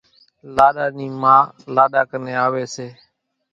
لاڏا نِي ما لاڏا ڪنين آوي سي